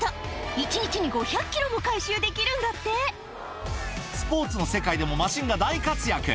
１日に５００キロも回収できるんスポーツの世界でも、マシンが大活躍。